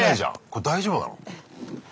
これ大丈夫なの？